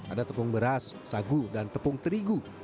ada tepung beras sagu dan tepung terigu